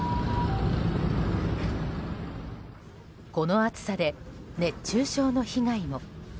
この暑さで、熱中症の被害も。